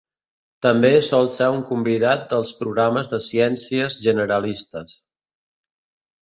També sol ser un convidat dels programes de ciències generalistes.